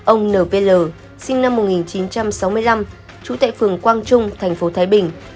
ông n v l sinh năm một nghìn chín trăm sáu mươi năm chú tại phường quang trung tp thái bình